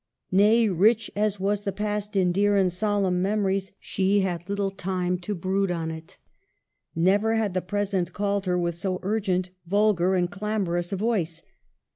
Nay, rich as was the past in dear and solemn memories, she had little time to brood on it. Never had the present called her with so urgent, vulgar, and clamorous a voice.